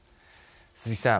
鈴木さん。